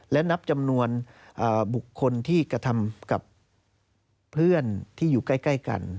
และนับจำนวนบุคคลที่กระทำกับเพื่อนที่อยู่ใกล้กัน